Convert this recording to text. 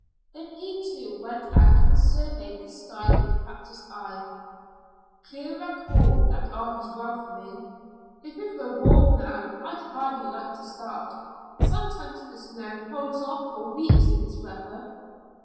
Then he, too, went out and surveyed the sky with practiced eye. "Clear and cool that argues well for me. If it were warm, now, I'd hardly like to start. Sometimes the snow holds off for weeks in this weather."